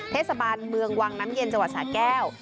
เทศบาลเมืองวังน้ำเย็นจังหวัดสาแก้ว